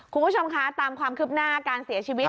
คุณผู้ชมคะตามความคืบหน้าการเสียชีวิต